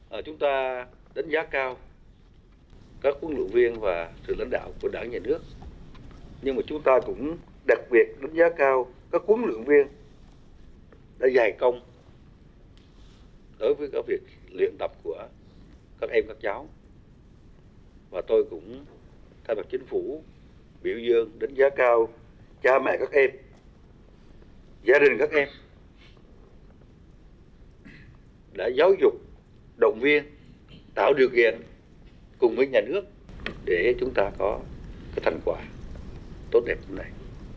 và tôi cũng thay mặt chính phủ biểu dương đánh giá cao cha mẹ các em gia đình các em đã giáo dục động viên tạo điều kiện cùng với nhà nước để chúng ta có cái thành quả tốt đẹp như này